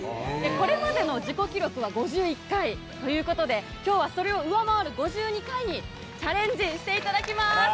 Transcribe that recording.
これまでの自己記録は５１回ということで、きょうはそれを上回る５２回にチャレンジしていただきます。